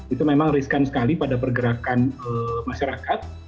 itu memang riskan sekali pada pergerakan masyarakat